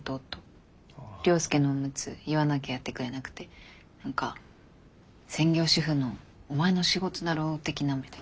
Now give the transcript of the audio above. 涼介のおむつ言わなきゃやってくれなくて何か専業主婦のお前の仕事だろ的な目で。